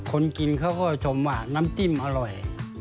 คนกินเขาก็ชมว่าน้ำจิ้มอร่อย